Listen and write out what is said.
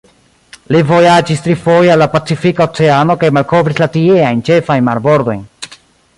Li vojaĝis trifoje al la Pacifika Oceano kaj malkovris la tieajn ĉefajn marbordojn.